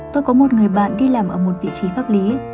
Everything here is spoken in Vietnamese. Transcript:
tôi có một người bạn đi làm ở một vị trí pháp lý